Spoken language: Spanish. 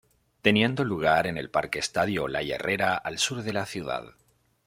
Teniendo lugar en el Parque Estadio Olaya Herrera al sur de la ciudad.